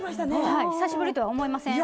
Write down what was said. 久しぶりとは思えません。